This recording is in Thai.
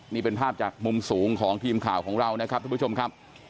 นี่เป็นภาพจากมุมสูงของทีมข่าวของเรานะครับทุกผู้ชมครับ